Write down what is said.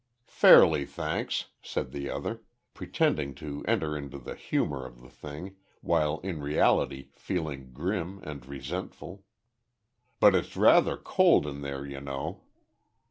"Fairly, thanks," said the other, pretending to enter into the humour of the thing, while in reality feeling grim and resentful. "But it's rather cold in there, you know."